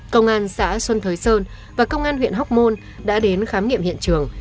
công an xã xuân thới sơn và công an huyện hóc môn đã đến khám nghiệm hiện trường